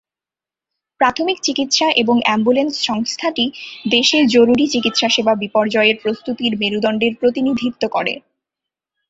প্রাথমিক চিকিৎসা এবং অ্যাম্বুলেন্স সংস্থাটি দেশে জরুরি চিকিৎসা সেবা বিপর্যয়ের প্রস্তুতির মেরুদণ্ডের প্রতিনিধিত্ব করে।